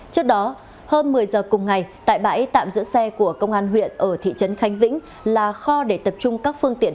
trước đó hôm một mươi giờ cùng ngày tại bãi tạm giữ xe của công an huyện ở thị trấn khánh vĩnh là kho để tập trung các phương tiện